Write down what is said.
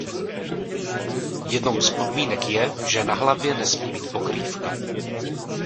Jednou z podmínek je, že na hlavě nesmí být pokrývka.